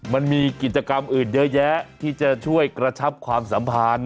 มันมีกิจกรรมอื่นเยอะแยะที่จะช่วยกระชับความสัมพันธ์